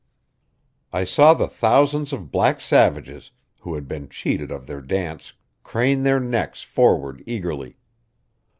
I saw the thousands of black savages who had been cheated of their dance crane their necks forward eagerly.